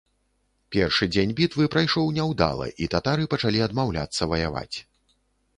Першы дзень бітвы прайшоў няўдала і татары пачалі адмаўляцца ваяваць.